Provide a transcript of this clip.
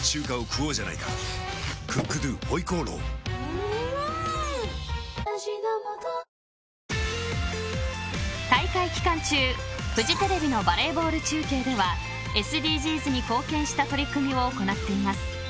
ぷっ事実「特茶」大会期間中、フジテレビのバレーボール中継ではＳＤＧｓに貢献した取り組みを行っています。